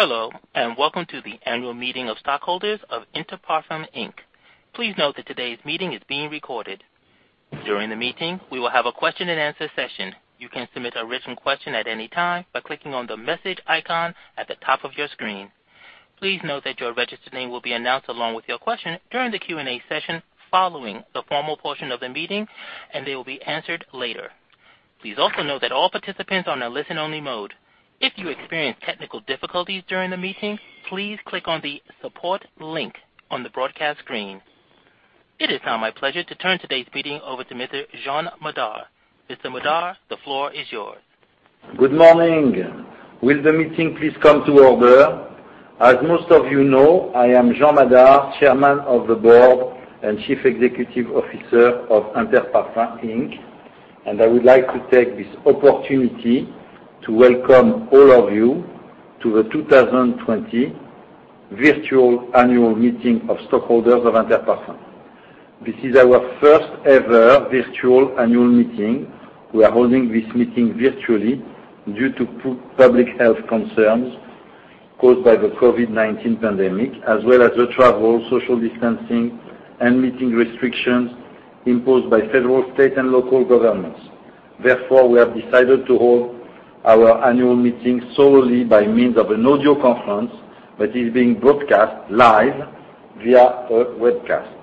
Hello, welcome to the annual meeting of stockholders of Inter Parfums Inc. Please note that today's meeting is being recorded. During the meeting, we will have a question and answer session. You can submit a written question at any time by clicking on the message icon at the top of your screen. Please note that your registered name will be announced along with your question during the Q&A session following the formal portion of the meeting, and they will be answered later. Please also note that all participants are on a listen-only mode. If you experience technical difficulties during the meeting, please click on the support link on the broadcast screen. It is now my pleasure to turn today's meeting over to Mr. Jean Madar. Mr. Madar, the floor is yours. Good morning. Will the meeting please come to order? As most of you know, I am Jean Madar, Chairman of the Board and Chief Executive Officer of Inter Parfums Inc. I would like to take this opportunity to welcome all of you to the 2020 virtual annual meeting of stockholders of Inter Parfums. This is our first-ever virtual annual meeting. We are holding this meeting virtually due to public health concerns caused by the COVID-19 pandemic, as well as the travel, social distancing, and meeting restrictions imposed by federal, state, and local governments. Therefore, we have decided to hold our annual meeting solely by means of an audio conference that is being broadcast live via a webcast.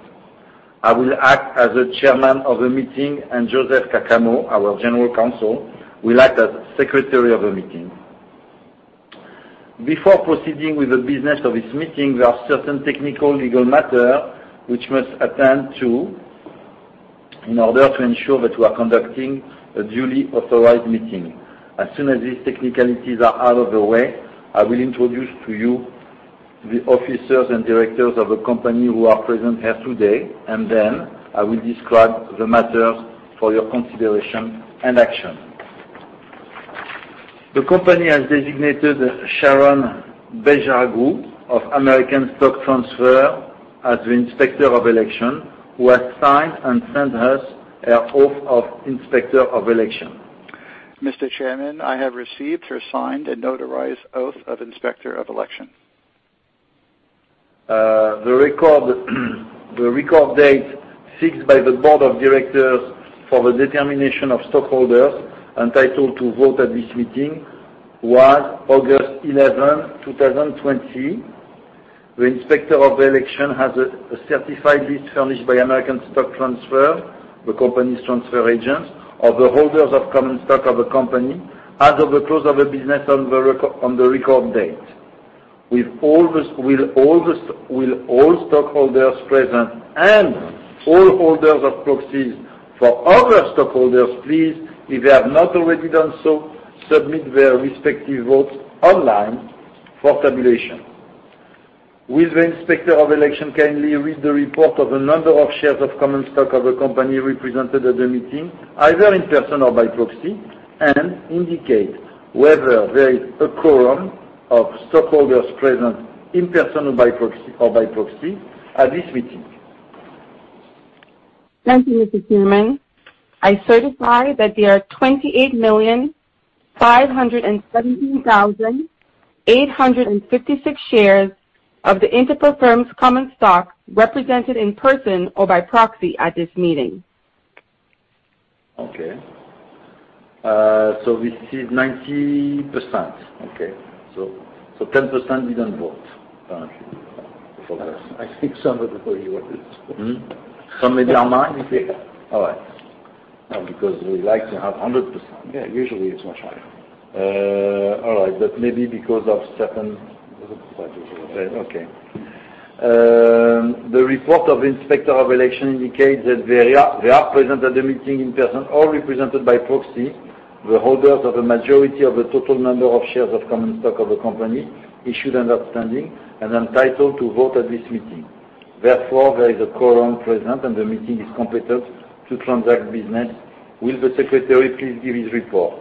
I will act as the Chairman of the meeting, and Joseph Caccamo, our General Counsel, will act as Secretary of the meeting. Before proceeding with the business of this meeting, there are certain technical legal matter which must attend to in order to ensure that we are conducting a duly authorized meeting. As soon as these technicalities are out of the way, I will introduce to you the officers and directors of the company who are present here today, and then I will describe the matters for your consideration and action. The company has designated Sharon Bejarahu of American Stock Transfer as the Inspector of Election, who has signed and sent us her oath of Inspector of Election. Mr. Chairman, I have received her signed and notarized oath of Inspector of Election. The record date fixed by the board of directors for the determination of stockholders entitled to vote at this meeting was August 11, 2020. The Inspector of Election has a certified list furnished by American Stock Transfer, the company's transfer agent, of the holders of common stock of the company as of the close of business on the record date. Will all stockholders present and all holders of proxies for other stockholders please, if they have not already done so, submit their respective votes online for tabulation. Will the Inspector of Election kindly read the report of the number of shares of common stock of the company represented at the meeting, either in person or by proxy, and indicate whether there is a quorum of stockholders present in person or by proxy at this meeting. Thank you, Mr. Chairman. I certify that there are 28,517,856 shares of the Inter Parfums common stock represented in person or by proxy at this meeting. Okay. This is 90%. Okay. 10% didn't vote, apparently. I think some of the. Some are down nine, you say? All right. Because we like to have 100%. Yeah. Usually, it's much higher. All right. The report of Inspector of Election indicates that there are present at the meeting in person or represented by proxy the holders of a majority of the total number of shares of common stock of the company issued and outstanding and entitled to vote at this meeting. Therefore, there is a quorum present, and the meeting is competent to transact business. Will the Secretary please give his report?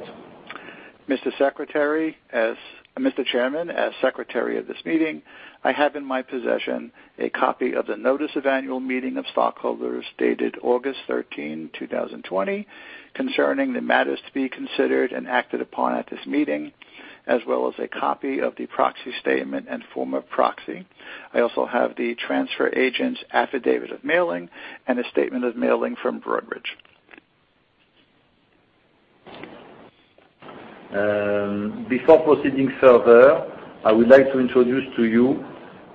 Mr. Chairman, as secretary of this meeting, I have in my possession a copy of the notice of annual meeting of stockholders dated August 13, 2020, concerning the matters to be considered and acted upon at this meeting, as well as a copy of the proxy statement and form of proxy. I also have the transfer agent's affidavit of mailing and a statement of mailing from Broadridge. Before proceeding further, I would like to introduce to you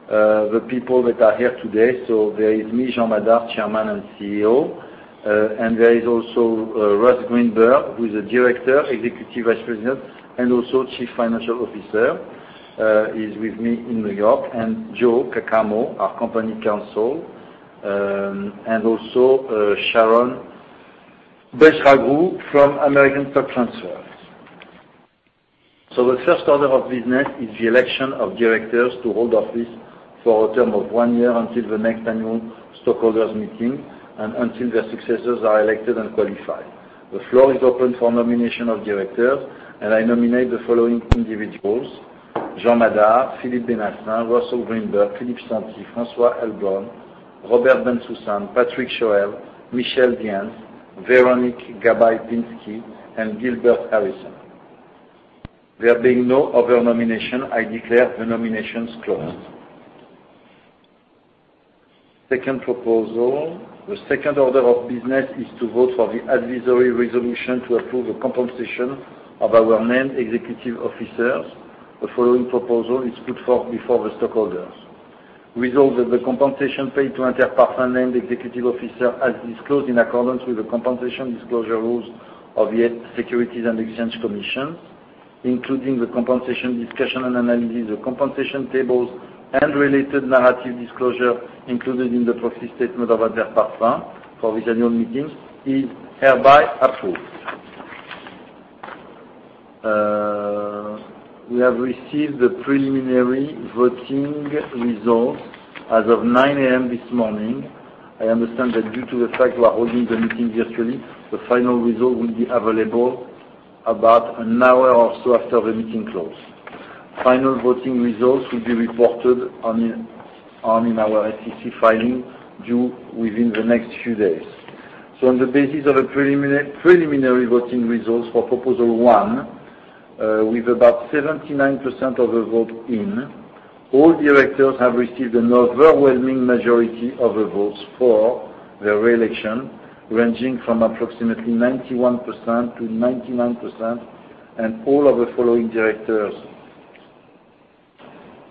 the people that are here today. There is me, Jean Madar, Chairman and CEO. There is also Russ Greenberg, who's a Director, Executive Vice President, and also Chief Financial Officer. He's with me in New York. Joe Caccamo, our company counsel. Also Sharon Bejarahu from American Stock Transfer. The first order of business is the election of directors to hold office for a term of one year until the next annual stockholders meeting and until their successors are elected and qualified. The floor is open for nomination of directors, and I nominate the following individuals: Jean Madar, Philippe Benacin, Russell Greenberg, Philippe Santi, François Heilbronn, Robert Bensoussan, Patrick Choël, Michel Vianes, Véronique Gabai-Pinsky, and Gilbert Harrison. There being no other nomination, I declare the nominations closed. Second proposal. The second order of business is to vote for the advisory resolution to approve the compensation of our named executive officers. The following proposal is put forth before the stockholders. Resolved that the compensation paid to Inter Parfums named executive officer, as disclosed in accordance with the compensation disclosure rules of the Securities and Exchange Commission, including the compensation discussion and analysis, the compensation tables, and related narrative disclosure included in the proxy statement of Inter Parfums for this annual meeting is hereby approved. We have received the preliminary voting results as of 9:00 A.M. this morning. I understand that due to the fact we are holding the meeting virtually, the final result will be available about an hour or so after the meeting close. Final voting results will be reported on in our SEC filing due within the next few days. On the basis of the preliminary voting results for proposal one, with about 79% of the vote in, all directors have received an overwhelming majority of the votes for their re-election, ranging from approximately 91%-99%. All of the following directors.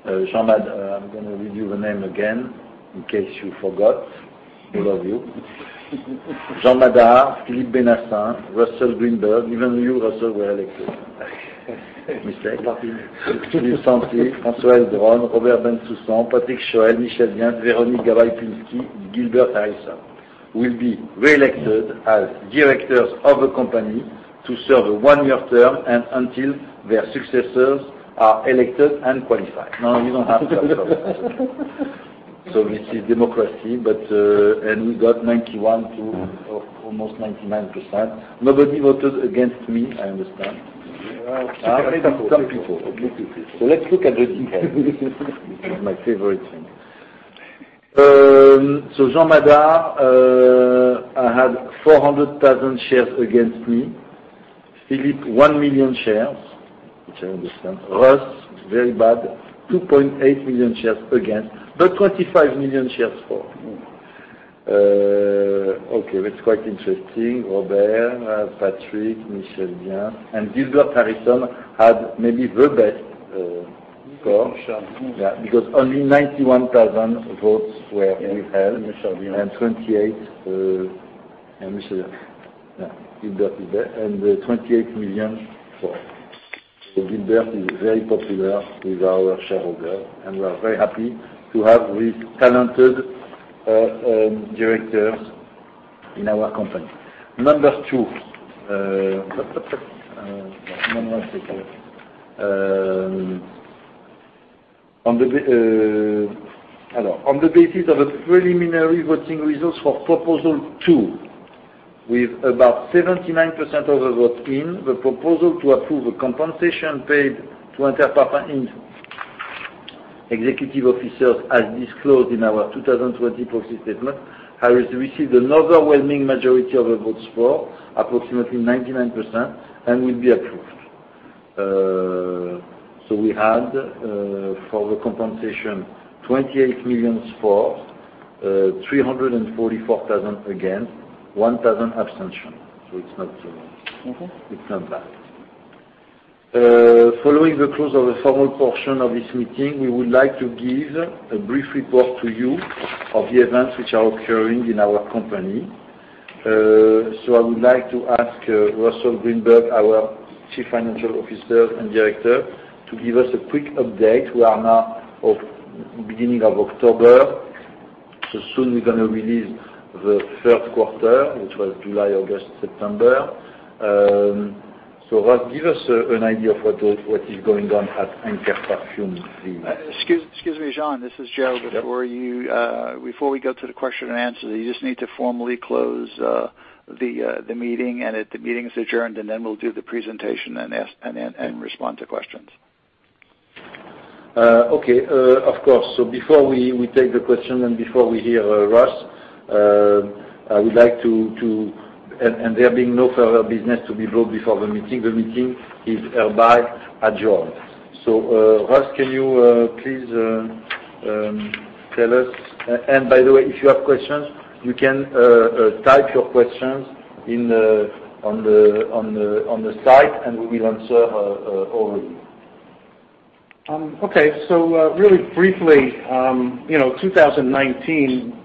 I'm going to read you the name again in case you forgot, all of you. Jean Madar, Philippe Benacin, Russell Greenberg. Even you, Russell, were elected. Mistake. Philippe Santi, François Drouin, Robert Bensoussan, Patrick Choël, Michel Vianes, Véronique Gabai-Pinsky, Gilbert Harrison will be re-elected as directors of the company to serve a one-year term and until their successors are elected and qualified. No, you don't have to applaud. This is democracy. We got 91%-almost 99%. Nobody voted against me, I understand. A few people. Some people. Let's look at the details. This is my favorite thing. Jean Madar, I had 400,000 shares against me. Philippe, 1 million shares, which I understand. Russ, very bad, 2.8 million shares against, but 25 million shares for. That's quite interesting. Robert, Patrick, Michel Vianes, and Gilbert Harrison had maybe the best score. Michel Vianes. Because only 91,000 votes were withheld. Michel Vianes. 28, and Michel. Yeah, Gilbert is there. $28 million for. Gilbert is very popular with our shareholders, and we are very happy to have these talented directors in our company. Number 2. One more second. Hello. On the basis of the preliminary voting results for proposal 2, with about 79% of the vote in, the proposal to approve the compensation paid to Inter Parfums' executive officers, as disclosed in our 2020 proxy statement, has received an overwhelming majority of the votes for, approximately 99%, and will be approved. We had, for the compensation, $28 million for, $344,000 against, 1,000 abstention. It's not so. Okay It's not bad. Following the close of the formal portion of this meeting, we would like to give a brief report to you of the events which are occurring in our company. I would like to ask Russell Greenberg, our Chief Financial Officer and Director, to give us a quick update. We are now of beginning of October. Soon we're going to release the third quarter, which was July, August, September. Russ, give us an idea of what is going on at Inter Parfums these days. Excuse me, Jean. This is Joe. Yep. Before we go to the question and answer, you just need to formally close the meeting, and that the meeting is adjourned, and then we'll do the presentation and respond to questions. Okay. Of course. Before we take the question, and before we hear Russ. There being no further business to be brought before the meeting, the meeting is hereby adjourned. Russ, can you please tell us. By the way, if you have questions, you can type your questions on the side, and we will answer all of you. Okay. Really briefly, 2019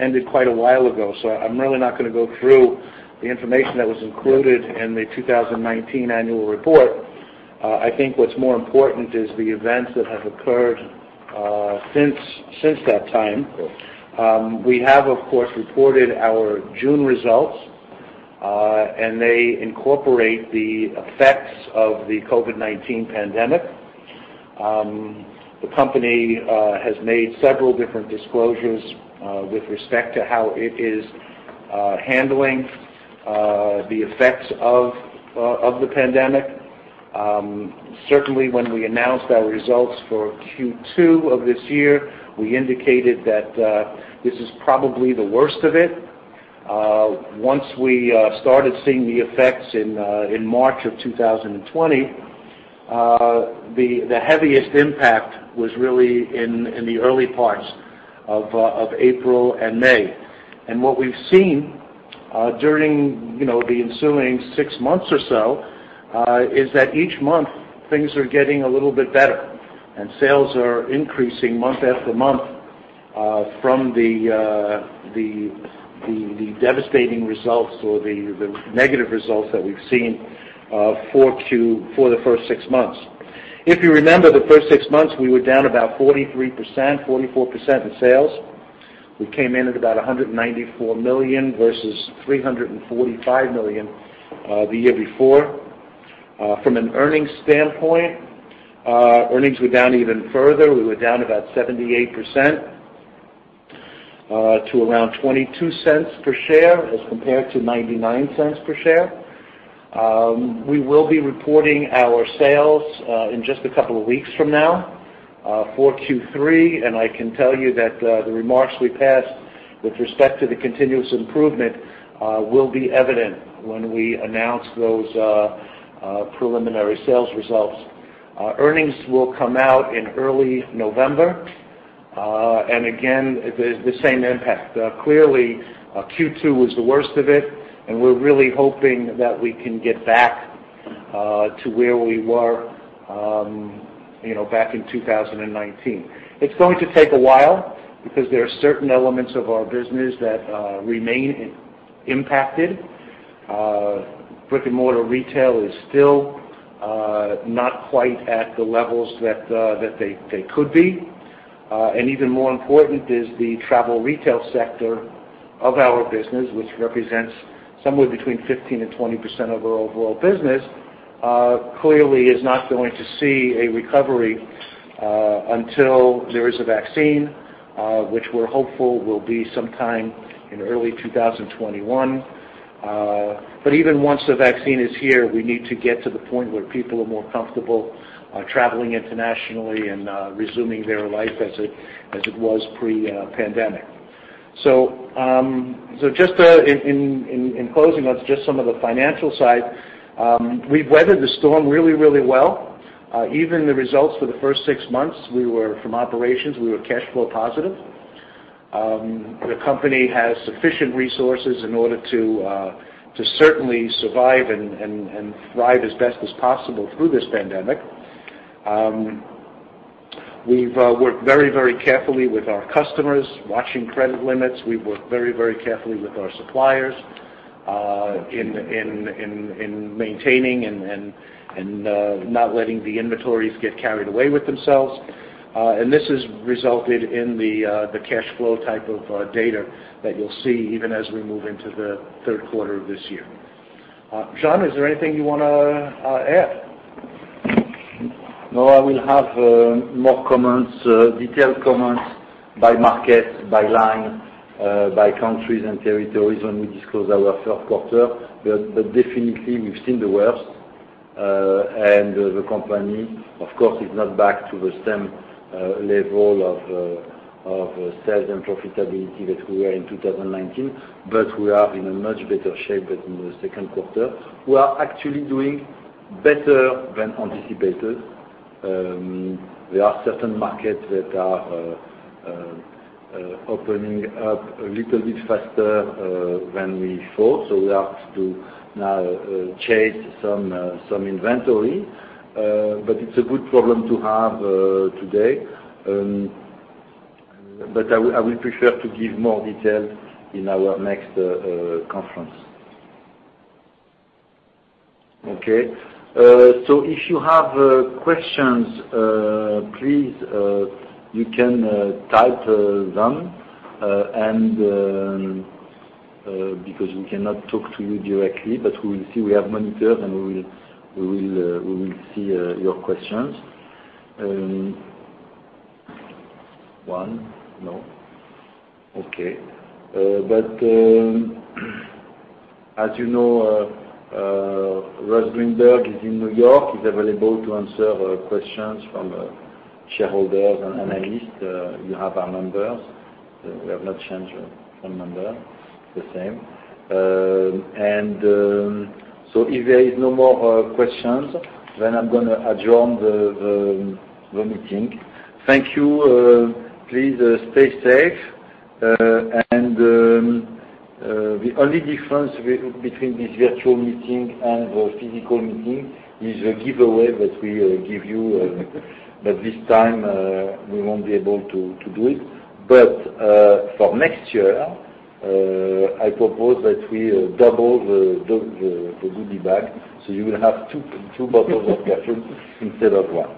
ended quite a while ago, so I'm really not going to go through the information that was included in the 2019 annual report. I think what's more important is the events that have occurred since that time. Of course. We have, of course, reported our June results. They incorporate the effects of the COVID-19 pandemic. The company has made several different disclosures with respect to how it is handling the effects of the pandemic. Certainly, when we announced our results for Q2 of this year, we indicated that this is probably the worst of it. Once we started seeing the effects in March of 2020, the heaviest impact was really in the early parts of April and May. What we've seen during the ensuing six months or so is that each month things are getting a little bit better, and sales are increasing month after month from the devastating results or the negative results that we've seen for the first six months. If you remember, the first six months, we were down about 43%-44% in sales. We came in at about $194 million versus $345 million the year before. From an earnings standpoint, earnings were down even further. We were down about 78% to around $0.22 per share as compared to $0.99 per share. We will be reporting our sales in just a couple of weeks from now for Q3, and I can tell you that the remarks we passed with respect to the continuous improvement will be evident when we announce those preliminary sales results. Earnings will come out in early November. Again, the same impact. Clearly, Q2 was the worst of it, and we're really hoping that we can get back to where we were back in 2019. It's going to take a while because there are certain elements of our business that remain impacted. Brick-and-mortar retail is still not quite at the levels that they could be. Even more important is the travel retail sector of our business, which represents somewhere between 15%-20% of our overall business, clearly is not going to see a recovery until there is a vaccine, which we're hopeful will be sometime in early 2021. But even once the vaccine is here, we need to get to the point where people are more comfortable traveling internationally and resuming their life as it was pre-pandemic. Just in closing on just some of the financial side, we've weathered the storm really, really well. Even the results for the first six months, from operations, we were cash flow positive. The company has sufficient resources in order to certainly survive and thrive as best as possible through this pandemic. We've worked very, very carefully with our customers, watching credit limits. We've worked very, very carefully with our suppliers in maintaining and not letting the inventories get carried away with themselves. This has resulted in the cash flow type of data that you'll see even as we move into the third quarter of this year. Jean, is there anything you want to add? I will have more comments, detailed comments by market, by line, by countries and territories when we disclose our third quarter. Definitely we've seen the worst. The company, of course, is not back to the same level of sales and profitability that we were in 2019, but we are in a much better shape than in the second quarter. We are actually doing better than anticipated. There are certain markets that are opening up a little bit faster than we thought, so we have to now chase some inventory. It's a good problem to have today. I will prefer to give more details in our next conference. Okay. If you have questions, please, you can type them because we cannot talk to you directly, we will see. We have monitors, we will see your questions. One? No. Okay. As you know, Russ Greenberg is in N.Y. He's available to answer questions from shareholders and analysts. You have our numbers. We have not changed our number. It's the same. If there is no more questions, I'm going to adjourn the meeting. Thank you. Please stay safe. The only difference between this virtual meeting and the physical meeting is a giveaway that we give you. This time, we won't be able to do it. For next year, I propose that we double the goodie bag, you will have two bottles of perfume instead of one.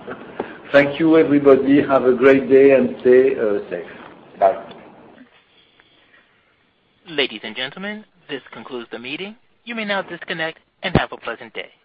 Thank you, everybody. Have a great day, stay safe. Bye. Ladies and gentlemen, this concludes the meeting. You may now disconnect have a pleasant day.